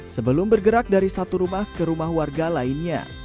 sebelum bergerak dari satu rumah ke rumah warga lainnya